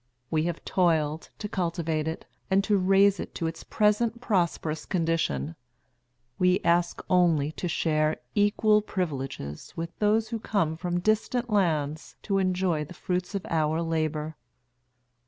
We have toiled to cultivate it, and to raise it to its present prosperous condition; we ask only to share equal privileges with those who come from distant lands to enjoy the fruits of our labor.